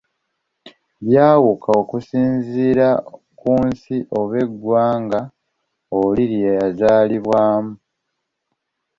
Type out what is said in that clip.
Byawuka okusinziira ku nsi oba eggwanga oli lye yazaalibwamu.